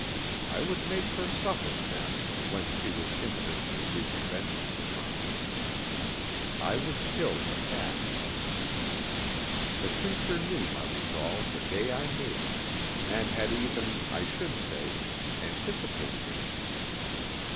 I would make her suffer then, when she was impotent to wreak a vengeance upon me. I would kill the cat. The creature knew my resolve the day I made it, and had even, I should say, anticipated it.